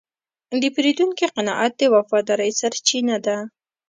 د پیرودونکي قناعت د وفادارۍ سرچینه ده.